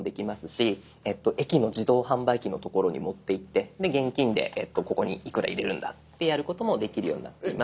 し駅の自動販売機のところに持っていって現金でここにいくら入れるんだってやることもできるようになっています。